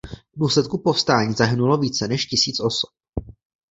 V důsledku povstání zahynulo více než tisíc osob.